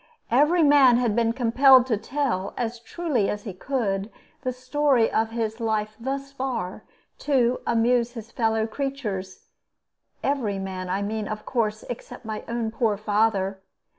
Every man had been compelled to tell, as truly as he could, the story of his life thus far, to amuse his fellow creatures every man, I mean, of course, except my own poor father.